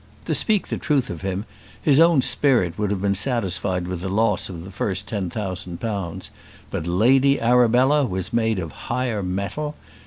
To speak the truth of him, his own spirit would have been satisfied with the loss of the first ten thousand pounds; but Lady Arabella was made of higher mettle.